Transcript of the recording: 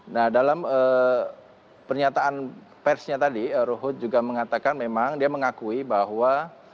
nah dalam pernyataan persnya tadi ruhut juga mengatakan memang dia mengakui bahwa